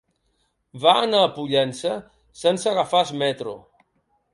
Va anar a Pollença sense agafar el metro.